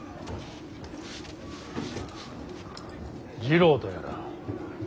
次郎とやら。